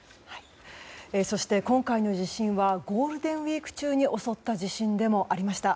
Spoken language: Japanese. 今回の地震はゴールデンウィーク中に襲った地震でもありました。